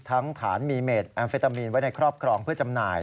ทั้งฐานมีเมดแอมเฟตามีนไว้ในครอบครองเพื่อจำหน่าย